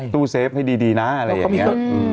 ตู้เซฟให้ดีนะอะไรอย่างนี้